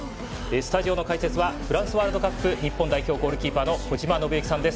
スタジオの解説はフランスワールドカップ日本代表ゴールキーパーの小島伸幸さんです。